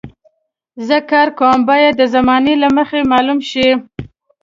زه کار کوم باید د زمانې له مخې معلوم شي.